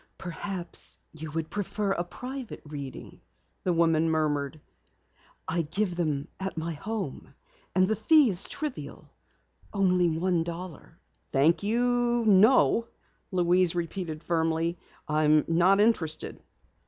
"Perhaps, you would prefer a private reading," the woman murmured. "I give them at my home, and the fee is trivial. Only a dollar." "Thank you, no," Louise repeated firmly. "I'm not interested."